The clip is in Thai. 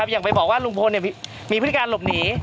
อย่างไปบอกว่าลุงพลมีพฤติการหลบหนี